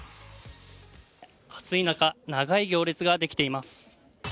暑い中、長い行列ができています。